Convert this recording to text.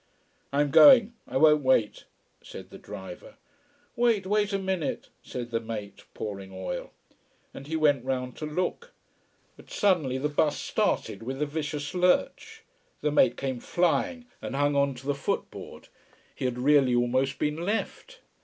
"I am going! I won't wait," said the driver. "Wait wait a minute," said the mate, pouring oil. And he went round to look. But suddenly the bus started, with a vicious lurch. The mate came flying and hung on to the footboard. He had really almost been left.